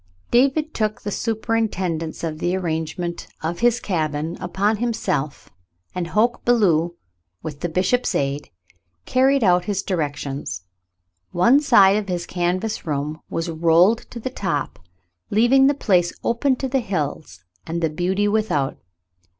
David took the superintendence of the arrangement of his cabin upon himself, and Hoke Belew, with the bishop's aid, carried out his directions. One side of his canvas room was rolled to the top, leaving the place open to the hills and the beauty without.